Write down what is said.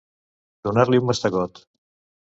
Donar-li un mastegot.